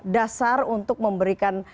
dasar untuk memberikan